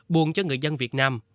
buồn cho người dân việt nam